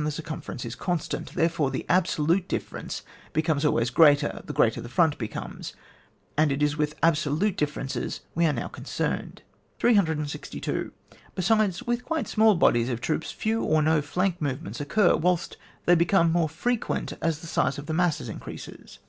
The difference between radius and circumference is constant ; therefore, the absolute difference becomes always greater, the greater the front becomes; and it is with absolute differences we are now concerned. 362. Besides, vrith quite small bodies of troops few or no flank movements occur, whilst they become more frequent as the size of the masses increases.